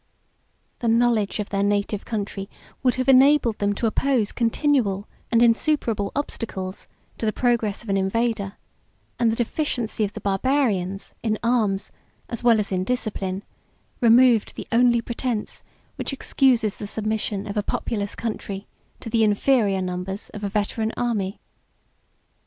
The knowledge of their native country would have enabled them to oppose continual and insuperable obstacles to the progress of an invader; and the deficiency of the Barbarians, in arms, as well as in discipline, removed the only pretence which excuses the submission of a populous country to the inferior numbers of a veteran army.